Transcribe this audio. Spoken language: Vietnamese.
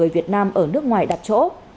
việt nam ở nước ngoài đặt chỗ